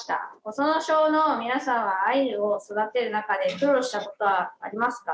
細野小の皆さんは藍を育てる中で苦労したことはありますか？